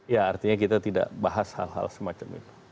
ya artinya kita tidak bahas hal hal semacam itu